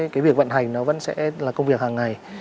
cái việc vận hành nó vẫn sẽ là công việc hàng ngày